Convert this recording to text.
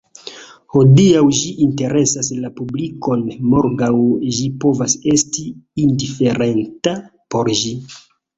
Hodiaŭ ĝi interesas la publikon, morgaŭ ĝi povas esti indiferenta por ĝi.